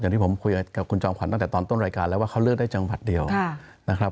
ที่ผมคุยกับคุณจอมขวัญตั้งแต่ตอนต้นรายการแล้วว่าเขาเลือกได้จังหวัดเดียวนะครับ